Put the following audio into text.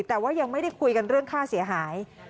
แต่ว่ายังไม่ได้คุยกันเรื่องค่าเสียหาย